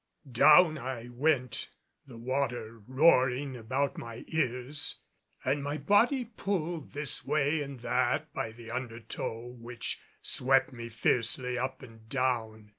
Down I went, the water roaring about my ears and my body pulled this way and that by the undertow which swept me fiercely up and down.